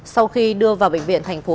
sau khi đưa vào bệnh viện thành phố